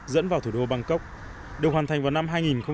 dẫn vào thủ đô bangkok được hoàn thành vào năm hai nghìn một mươi